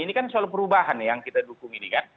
ini kan soal perubahan yang kita dukung ini kan